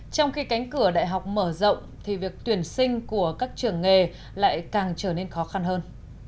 trong khi cánh cửa đại học mở rộng thì việc tuyển sinh của các trường nghề lại càng trở nên khó khăn hơn